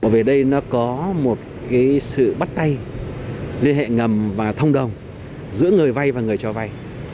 về đây nó có một sự bắt tay liên hệ ngầm và thông đồng giữa người vay và người cho vay